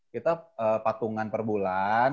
kita patungan per bulan